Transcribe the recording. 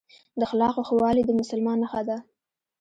د اخلاقو ښه والي د مسلمان نښه ده.